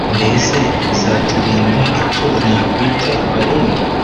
mbese bizaturinda icyo nakwita baringa